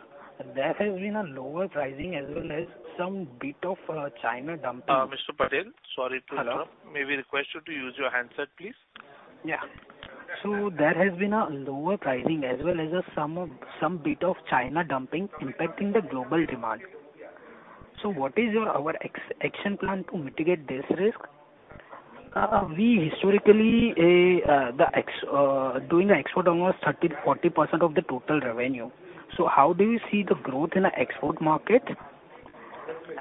there has been a lower pricing as well as some bit of China dumping. Mr. Patel, sorry to interrupt. Hello? May we request you to use your handset, please? Yeah. There has been a lower pricing as well as some, some bit of China dumping impacting the global demand. What is your action plan to mitigate this risk? We historically doing the export almost 30%-40% of the total revenue. How do you see the growth in the export market?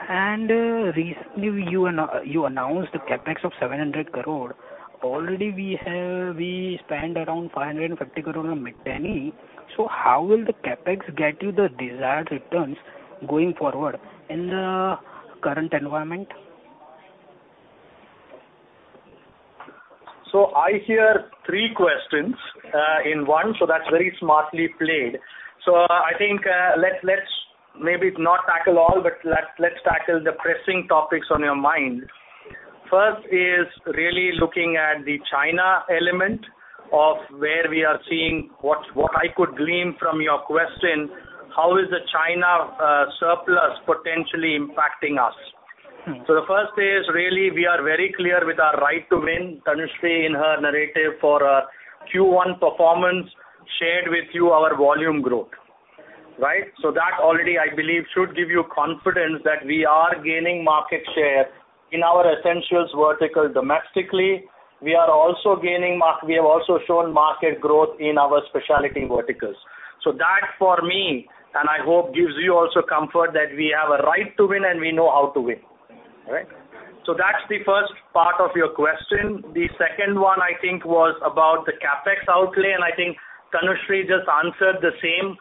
Recently you announced the CapEx of 700. Already we spent around 550 on Miteni. How will the CapEx get you the desired returns going forward in the current environment? I hear three questions in one, so that's very smartly played. I think, let's maybe not tackle all, but let's tackle the pressing topics on your mind. First is really looking at the China element of where we are seeing, what, what I could glean from your question, how is the China surplus potentially impacting us? The first is really we are very clear with our right to win. Tanushree, in her narrative for our Q1 performance, shared with you our volume growth, right? That already, I believe, should give you confidence that we are gaining market share in our essentials vertical domestically. We are also gaining We have also shown market growth in our specialty verticals. That for me, and I hope gives you also comfort, that we have a right to win and we know how to win. Right? That's the first part of your question. The second one, I think, was about the CapEx outlay, and I think Tanushree just answered the same,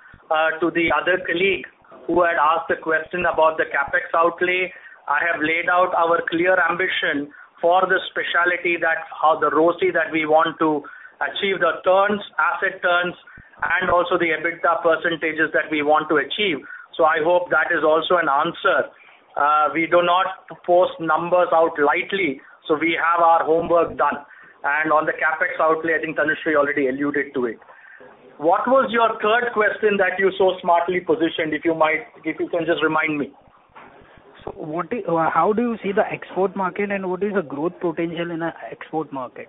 to the other colleague who had asked a question about the CapEx outlay. I have laid out our clear ambition for the specialty, that how the ROCE that we want to achieve, the turns, asset turns, and also the EBITDA percentages that we want to achieve. I hope that is also an answer. We do not post numbers out lightly, so we have our homework done. On the CapEx outlay, I think Tanushree already alluded to it. What was your third question that you so smartly positioned, if you might, if you can just remind me? how do you see the export market, and what is the growth potential in a export market?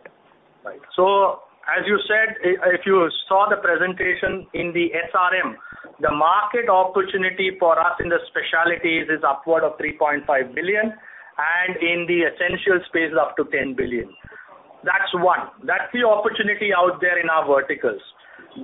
Right. As you said, if you saw the presentation in the SRM, the market opportunity for us in the specialties is upward of 3.5 billion, and in the essential space, up to 10 billion. That's one. That's the opportunity out there in our verticals.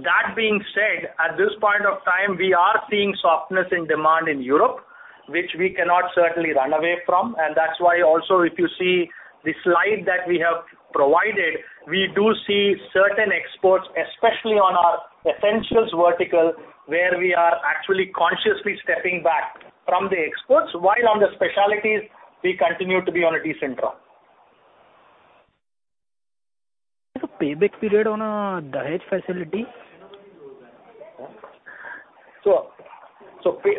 That being said, at this point of time, we are seeing softness in demand in Europe, which we cannot certainly run away from, and that's why also, if you see the slide that we have provided, we do see certain exports, especially on our essentials vertical, where we are actually consciously stepping back from the exports, while on the specialties, we continue to be on a decent run. The payback period on Dahej facility?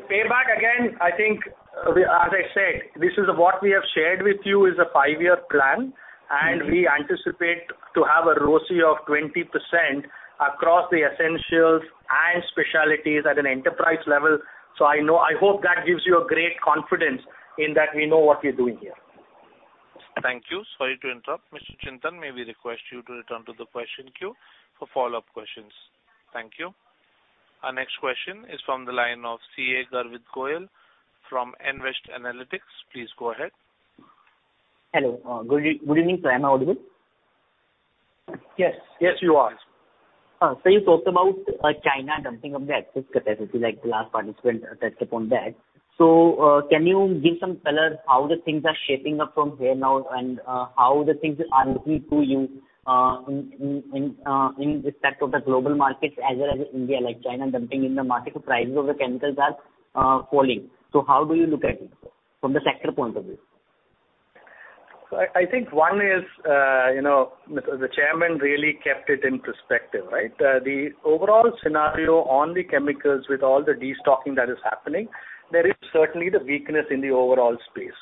Payback, again, I think, as I said, this is what we have shared with you is a 5-year plan, and we anticipate to have a ROCE of 20% across the essentials and specialties at an enterprise level. I hope that gives you a great confidence in that we know what we're doing here. Thank you. Sorry to interrupt. Mr. Chintan, may we request you to return to the question queue for follow-up questions. Thank you. Our next question is from the line of CA Garvit Goyal from Nvest Analytics. Please go ahead. Hello. Good evening. Good evening, sir. Am I audible? Yes. Yes, you are. You talked about China dumping of the excess capacity, like the last participant touched upon that. Can you give some color how the things are shaping up from here now, and how the things are looking to you in, in, in, in respect of the global markets as well as India, like China dumping in the market, the prices of the chemicals are falling. How do you look at it from the sector point of view? I, I think one is, you know, the, the chairman really kept it in perspective, right? The overall scenario on the chemicals with all the destocking that is happening, there is certainly the weakness in the overall space.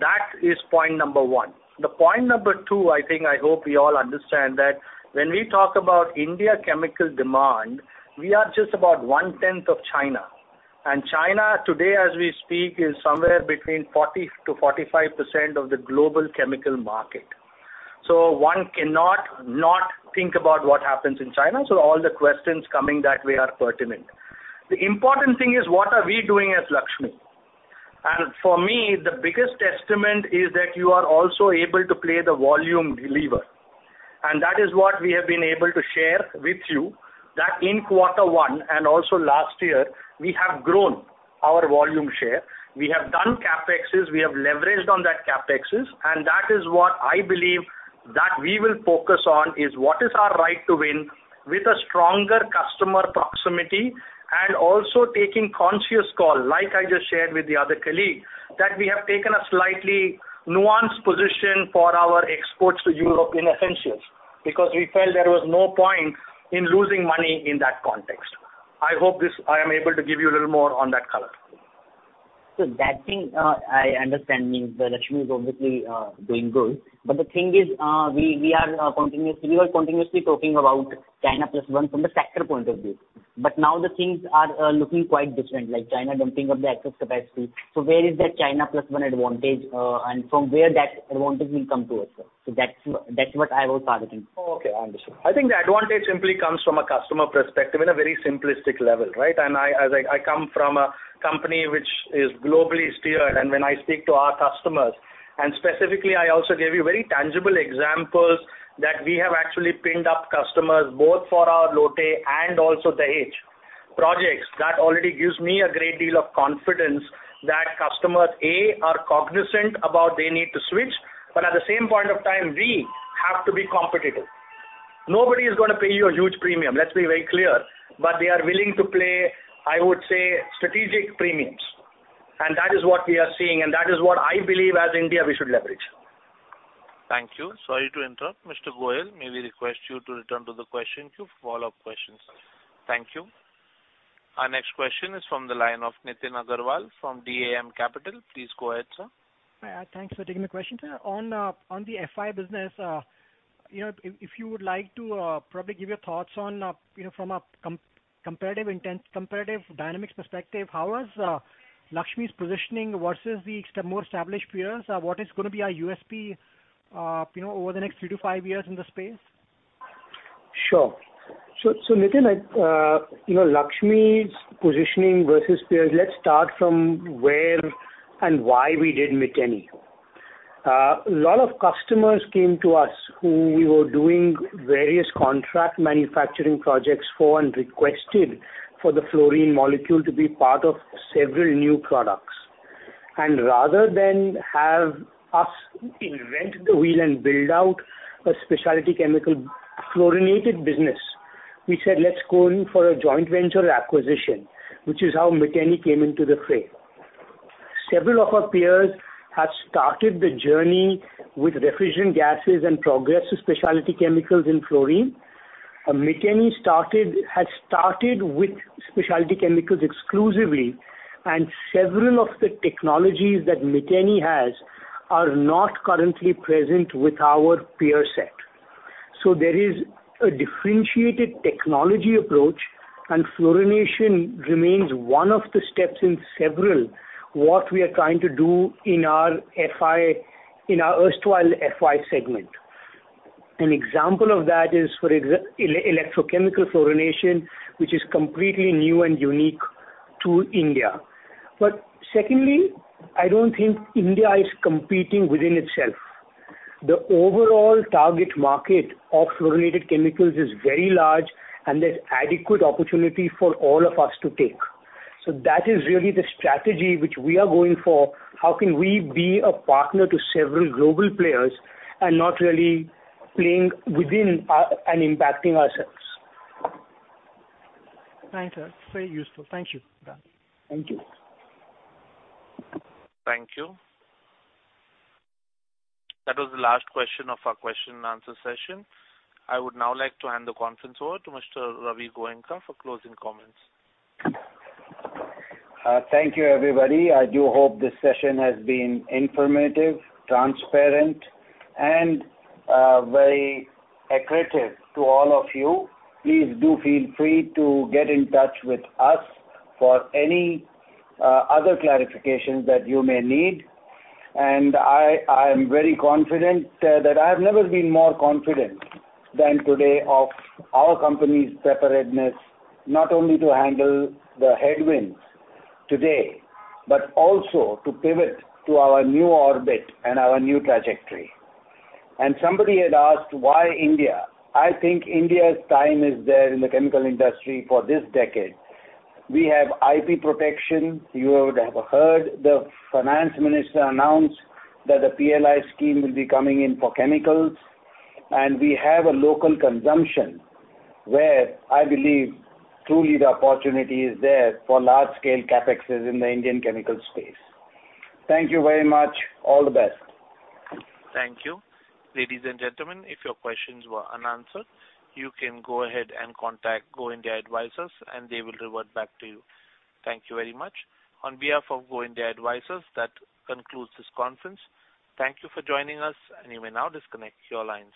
That is point number one. The point number two, I think, I hope we all understand that when we talk about India chemical demand, we are just about one-tenth of China. China, today, as we speak, is somewhere between 40%-45% of the global chemical market. One cannot not think about what happens in China, so all the questions coming that way are pertinent. The important thing is what are we doing at Laxmi? For me, the biggest testament is that you are also able to play the volume lever. That is what we have been able to share with you, that in Q1, and also last year, we have grown our volume share. We have done CapExes, we have leveraged on that CapExes, and that is what I believe that we will focus on, is what is our right to win with a stronger customer proximity, and also taking conscious call, like I just shared with the other colleague, that we have taken a slightly nuanced position for our exports to Europe in essentials, because we felt there was no point in losing money in that context. I hope I am able to give you a little more on that color. That thing, I understand, means the Laxmi is obviously doing good. The thing is, we, we are, continuously, we are continuously talking about China plus one from the sector point of view. Now the things are looking quite different, like China dumping of the excess capacity. Where is that China plus one advantage and from where that advantage will come to us, sir? That's, that's what I was targeting. Oh, okay, I understand. I think the advantage simply comes from a customer perspective in a very simplistic level, right? I, as I, I come from a company which is globally steered, and when I speak to our customers, and specifically, I also gave you very tangible examples that we have actually pinned up customers both for our Lote and also Dahej projects. That already gives me a great deal of confidence that customers, A, are cognizant about they need to switch, but at the same point of time, we have to be competitive. ...Nobody is going to pay you a huge premium, let's be very clear. They are willing to play, I would say, strategic premiums, and that is what we are seeing, and that is what I believe as India, we should leverage. Thank you. Sorry to interrupt, Mr. Goyal. May we request you to return to the question queue for follow-up questions? Thank you. Our next question is from the line of Nitin Agarwal from DAM Capital. Please go ahead, sir. Hi, thanks for taking the question, sir. On, on the FI business, you know, if, if you would like to, probably give your thoughts on, you know, from a comparative dynamics perspective, how is Laxmi's positioning versus the more established peers? What is going to be our USP, you know, over the next 3-5 years in the space? Sure. Nitin, I, you know, Laxmi's positioning versus peers, let's start from where and why we did Miteni. A lot of customers came to us who we were doing various contract manufacturing projects for and requested for the fluorine molecule to be part of several new products. Rather than have us invent the wheel and build out a specialty chemical fluorinated business, we said, "Let's go in for a joint venture acquisition," which is how Miteni came into the frame. Several of our peers have started the journey with refrigerant gases and progressed to specialty chemicals in fluorine. Miteni started, had started with specialty chemicals exclusively, and several of the technologies that Miteni has are not currently present with our peer set. There is a differentiated technology approach, and fluorination remains one of the steps in several, what we are trying to do in our FI, in our erstwhile FI segment. An example of that is, electrochemical fluorination, which is completely new and unique to India. Secondly, I don't think India is competing within itself. The overall target market of fluorinated chemicals is very large, and there's adequate opportunity for all of us to take. That is really the strategy which we are going for. How can we be a partner to several global players and not really playing within our and impacting ourselves? Thanks, sir. Very useful. Thank you. Done. Thank you. Thank you. That was the last question of our question and answer session. I would now like to hand the conference over to Mr. Ravi Goenka for closing comments. Thank you, everybody. I do hope this session has been informative, transparent, and very accretive to all of you. Please do feel free to get in touch with us for any other clarifications that you may need. I, I am very confident that I have never been more confident than today of our company's preparedness, not only to handle the headwinds today, but also to pivot to our new orbit and our new trajectory. Somebody had asked, "Why India?" I think India's time is there in the chemical industry for this decade. We have IP protection. You would have heard the finance minister announce that the PLI scheme will be coming in for chemicals, and we have a local consumption, where I believe truly the opportunity is there for large-scale CapExes in the Indian chemical space. Thank you very much. All the best. Thank you. Ladies and gentlemen, if your questions were unanswered, you can go ahead and contact GoIndia Advisors, and they will revert back to you. Thank you very much. On behalf of GoIndia Advisors, that concludes this conference. Thank you for joining us, and you may now disconnect your lines.